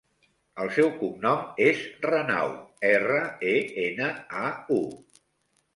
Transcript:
El seu cognom és Renau: erra, e, ena, a, u.